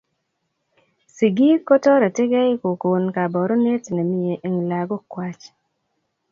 Sigiik kotoretigei kokoon kabarunet ne mie eng lagook kwai.